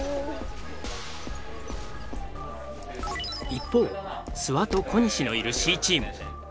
一方諏訪と小西のいるＣチーム。